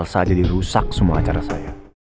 saya jadi rusak semua cara saya